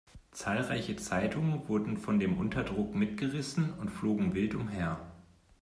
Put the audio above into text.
Zahlreiche Zeitungen wurden von dem Unterdruck mitgerissen und flogen wild umher.